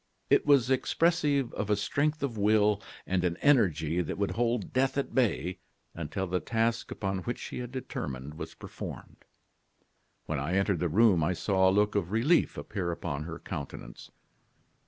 It was expressive of a strength of will and an energy that would hold death at bay until the task upon which she had determined was performed. "When I entered the room I saw a look of relief appear upon her countenance.